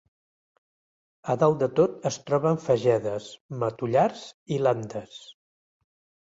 A dalt de tot es troben fagedes, matollars i landes.